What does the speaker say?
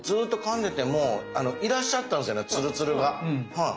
はい。